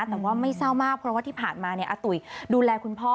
แต่ว่าไม่เศร้ามากเพราะว่าที่ผ่านมาอาตุ๋ยดูแลคุณพ่อ